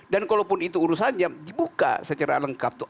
dan kalaupun itu urusannya dibuka secara lengkap tuh